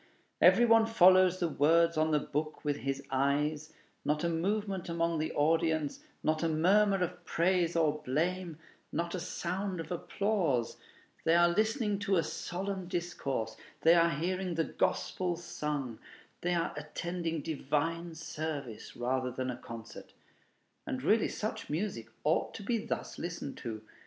Every one follows the words on the book with his eyes; not a movement among the audience, not a murmur of praise or blame, not a sound of applause; they are listening to a solemn discourse, they are hearing the gospel sung, they are attending divine service rather than a concert. And really such music ought to be thus listened to.